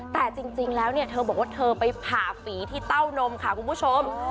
แต่จริงแล้วเนี่ยเธอบอกว่าเธอไปผ่าฝีที่เต้านมค่ะคุณผู้ชม